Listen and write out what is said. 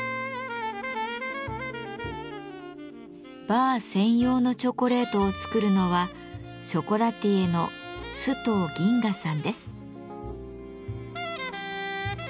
バー専用のチョコレートを作るのはショコラティエの須藤銀雅さんです。